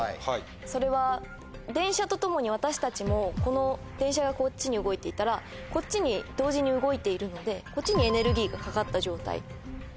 それは電車とともに私たちも電車がこっちに動いていたらこっちに同時に動いているのでこっちに。